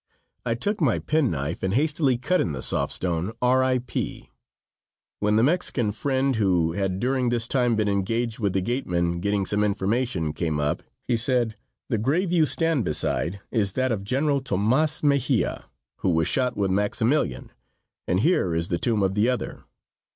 I took my penknife and hastily cut in the soft stone R.I.P. When the Mexican friend, who had during this time been engaged with the gateman getting some information, came up he said: "The grave you stand beside is that of General Tomas Mejia, who was shot with Maximilian, and here is the tomb of the other."